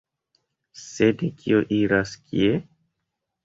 Sed kio iras kie?